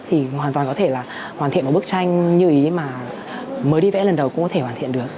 thì hoàn toàn có thể là hoàn thiện một bức tranh như ý mà mới đi vẽ lần đầu cũng có thể hoàn thiện được